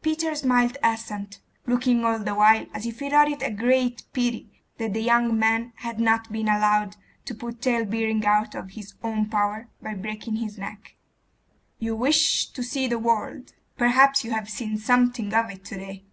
Peter smiled assent, looking all the while as if he thought it a great pity that the young man had not been allowed to put talebearing out of his own power by breaking his neck. 'You wish to see the world. Perhaps you have seen something of it to day.